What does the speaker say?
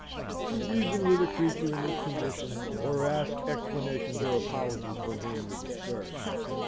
To reason with a creature in this condition, or ask explanations or apologies from him, was absurd.